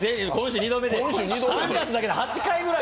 ３月だけで８回ぐらい。